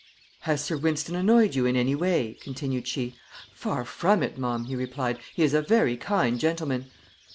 "Has Sir Wynston annoyed you in any way?" continued she. "Far from it, ma'am," he replied; "he is a very kind gentleman."